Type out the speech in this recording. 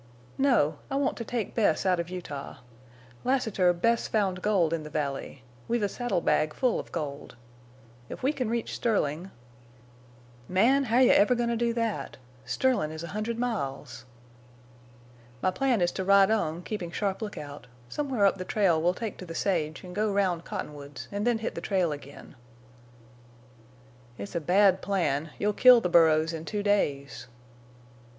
"No. I want to take Bess out of Utah. Lassiter, Bess found gold in the valley. We've a saddle bag full of gold. If we can reach Sterling—" "Man! how're you ever goin' to do that? Sterlin' is a hundred miles." "My plan is to ride on, keeping sharp lookout. Somewhere up the trail we'll take to the sage and go round Cottonwoods and then hit the trail again." "It's a bad plan. You'll kill the burros in two days."